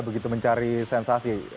begitu mencari sensasi